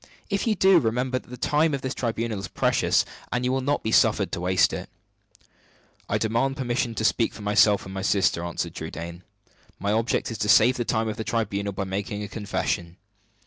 If you do, remember that the time of this tribunal is precious, and that you will not be suffered to waste it." "I demand permission to speak for myself and for my sister," answered Trudaine. "My object is to save the time of the tribunal by making a confession."